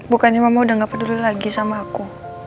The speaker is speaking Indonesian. bukannya mama udah gak peduli lagi sama aku